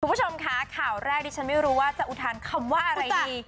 คุณผู้ชมค่ะข่าวแรกดิฉันไม่รู้ว่าจะอุทานคำว่าอะไรดี